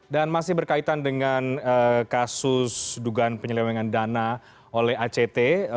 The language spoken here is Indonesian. dan masih berkaitan dengan kasus dugaan penyelewengan dana oleh act